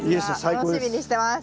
楽しみにしてます。